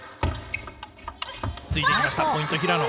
ついてきました、ポイント、平野。